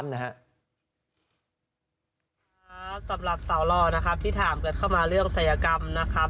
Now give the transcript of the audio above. สำหรับสาวหล่อนะครับที่ถามกันเข้ามาเรื่องศัยกรรมนะครับ